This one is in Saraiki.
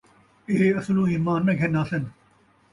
ایہ اصلوں ایمان نہ گِھن آسِن۔